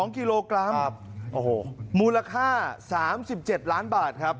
๒กิโลกรัมมูลค่า๓๗ล้านบาทครับ